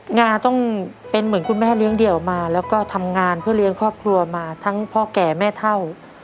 งาต้องเป็นเหมือนคุณแม่เลี้ยงเดี่ยวมาแล้วก็ทำงานเพื่อเลี้ยงครอบครัวมาทั้งพ่อแก่แม่เท่า